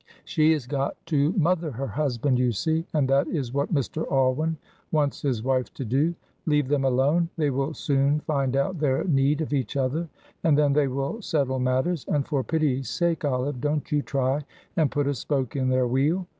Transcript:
She has got to mother her husband, you see, and that is what Mr. Alwyn wants his wife to do. Leave them alone, they will soon find out their need of each other. And then they will settle matters. And for pity's sake, Olive, don't you try and put a spoke in their wheel."